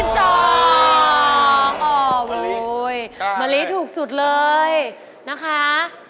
ถูกฟาถูกฟา